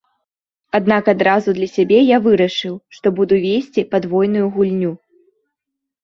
Аднак адразу для сябе я вырашыў, што буду весці падвойную гульню.